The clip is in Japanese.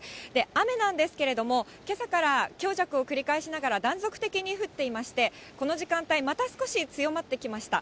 雨なんですけれども、けさから強弱を繰り返しながら、断続的に降っていまして、この時間帯、また少し強まってきました。